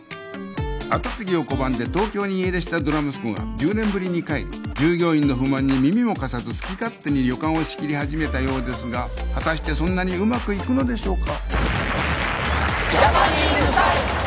跡継ぎを拒んで東京に家出したドラ息子が１０年ぶりに帰り従業員の不満に耳も貸さず好き勝手に旅館を仕切り始めたようですが果たしてそんなにうまくいくのでしょうか？